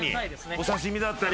お刺し身だったり。